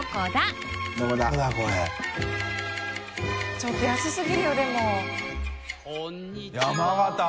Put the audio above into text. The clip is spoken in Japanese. ちょっと安すぎるよでも。